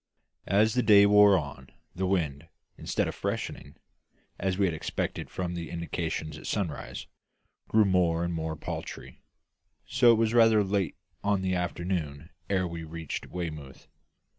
As the day wore on, the wind, instead of freshening, as we had expected from the indications at sunrise, grew more and more paltry; so that it was rather late on in the afternoon ere we reached Weymouth.